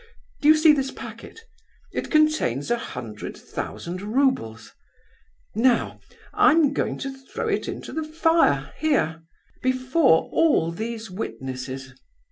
Do you see this packet? It contains a hundred thousand roubles. Now, I'm going to throw it into the fire, here—before all these witnesses.